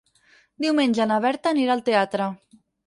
Diumenge na Berta anirà al teatre.